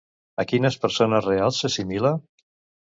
A quines persones reals s'assimila?